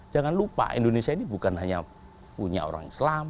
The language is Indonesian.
jangan lupa indonesia ini bukan hanya punya orang islam